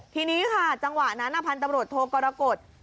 ทีนี้ค่ะจังหวะนั้นพันธุ์ตำรวจโทกรกฎ